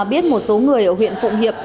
biết một số người ở huyện phụng hiệp